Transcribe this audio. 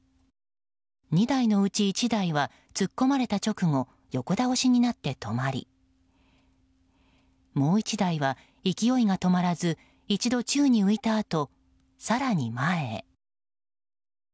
２台のうち１台は突っ込まれた直後横倒しになって止まりもう１台は勢いが止まらず一度宙に浮いたあと、更に前へ。